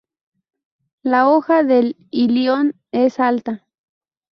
La hoja del ilion es alta.